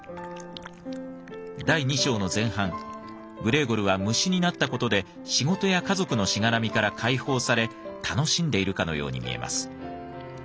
第２章の前半グレーゴルは虫になった事で仕事や家族のしがらみから解放され楽しんでいるかのように見えます。